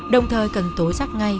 đồng thời cần tối giác ngay